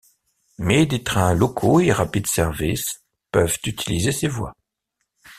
Mais des trains Locaux et Rapid Service peuvent utiliser ces voies.